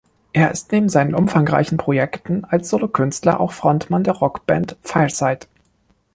Er ist neben seinen umfangreichen Projekten als Solokünstler auch Frontmann der Rockband Fireside.